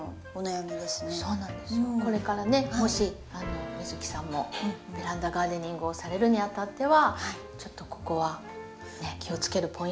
これからねもし美月さんもベランダガーデニングをされるにあたってはちょっとここは気をつけるポイントになるんですけど。